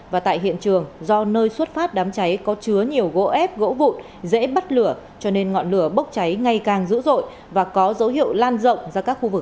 và tại hiện trường do nơi xuất phát đám cháy có chứa nhiều gỗ ép gỗ vụn dễ bắt lửa cho nên ngọn lửa bốc cháy ngày càng dữ dội và có dấu hiệu lan rộng